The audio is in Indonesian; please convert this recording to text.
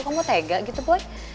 kamu tega gitu boy